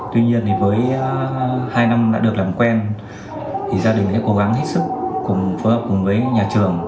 tuy nhiên với hai năm đã được làm quen thì gia đình đã cố gắng hết sức cùng phối hợp cùng với nhà trường